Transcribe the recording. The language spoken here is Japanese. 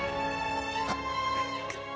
あっ。